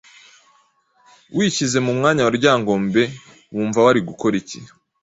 Wishyize mu mwanya wa Ryangombe wumva wari gukora iki